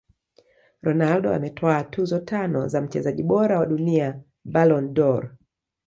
Ronaldo ametwaa tuzo tano za mchezaji bora wa dunia Ballon dOr